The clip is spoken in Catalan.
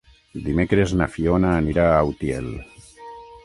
Dimecres na Fiona anirà a Utiel.